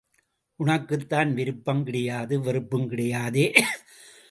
உனக்குக்கான் விருப்புங் கிடையாது வெறுப்புங் கிடையாதே.